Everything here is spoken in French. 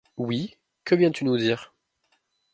Oui, que viens-tu nous dire ?